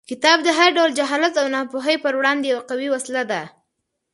کتاب د هر ډول جهالت او ناپوهۍ پر وړاندې یوه قوي وسله ده.